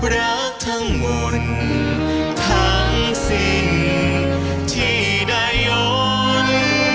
รักทั้งหมดทั้งสิ่งที่ได้ย้อน